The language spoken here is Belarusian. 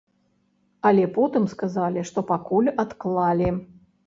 Але потым сказалі, што пакуль адклалі.